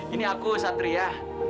ini aku satria